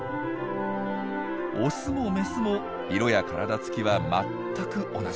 オスもメスも色や体つきは全く同じ。